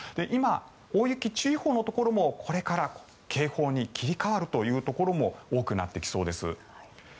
今、大雪注意報のところもこれから警報に切り替わるというところも多くなってきそうです。